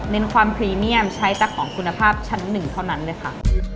ความพรีเมียมใช้แต่ของคุณภาพชั้นหนึ่งเท่านั้นเลยค่ะ